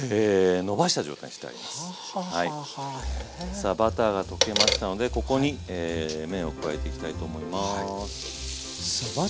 さあバターが溶けましたのでここに麺を加えていきたいと思います。